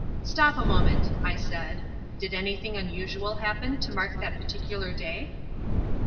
"Stop a moment," I said. "Did anything unusual happen to mark that particular day?"